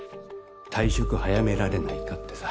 退職早められないかってさ。